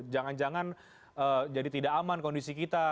jangan jangan jadi tidak aman kondisi kita